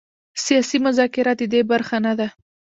سیاسي مذاکره د دې برخه نه ده.